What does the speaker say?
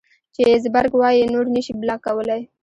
چې زبرګ وائي نور نشې بلاک کولے